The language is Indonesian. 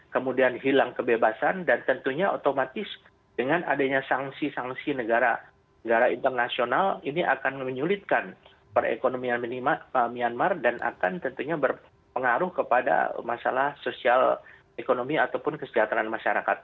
kemudian hilang kebebasan dan tentunya otomatis dengan adanya sanksi sanksi negara internasional ini akan menyulitkan perekonomian myanmar dan akan tentunya berpengaruh kepada masalah sosial ekonomi ataupun kesejahteraan masyarakat